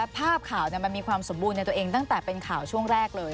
ภาพข่าวมันมีความสมบูรณ์ในตัวเองตั้งแต่เป็นข่าวช่วงแรกเลย